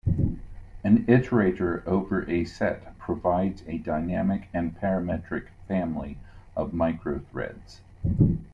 An "iterator" over a set provides a dynamic and parametric family of microthreads.